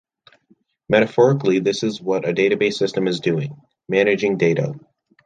Metaphorically this is what a database system is doing - managing data.